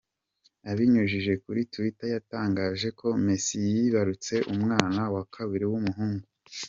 Abinyujije kuri Twitter yatangaje ko Messi yibarutse umwana wa kabiri w’umuhungu.